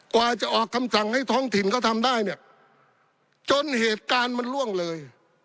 กว่าจะออกคำสั่งให้ท้องถิ่นเขาทำได้เนี่ยจนเหตุการณ์มันล่วงเลย